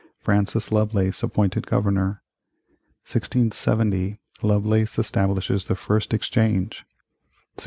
Francis Lovelace appointed Governor 1670. Lovelace establishes the first Exchange 1673.